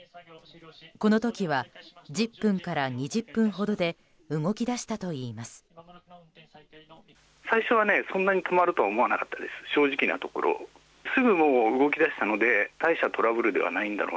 この時は１０分から２０分ほどで動き出したといいます。